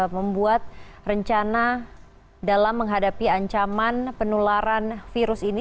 membuat rencana dalam menghadapi ancaman penularan virus ini